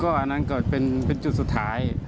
อันนั้นก็เป็นจุดสุดท้าย